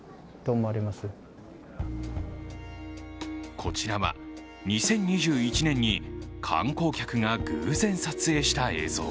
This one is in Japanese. こちらは２０２１年に観光客が偶然撮影した映像。